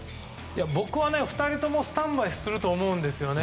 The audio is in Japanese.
僕は２人ともスタンバイすると思うんですよね。